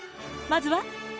まずは。